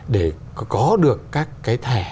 để có được các cái thẻ